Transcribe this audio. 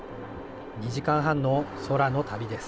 ２時間半の空の旅です。